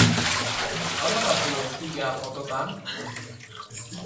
Espedienteari aurre egiteko helegite bat aurkeztea aztertzen ari dira langileak.